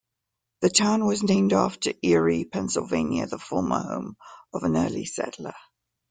The town was named after Erie, Pennsylvania, the former home of an early settler.